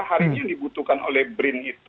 hari ini yang dibutuhkan oleh brin itu